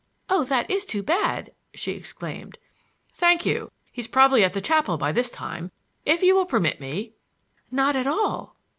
"Oh, that is too bad!" she exclaimed. "Thank you! He's probably at the chapel by this time. If you will permit me—" "Not at all!"